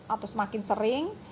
atau semakin sering